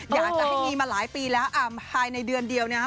อยากจะให้งี้มาหลายปีแล้วฮะอ่าในเดือนเดียวนะฮะ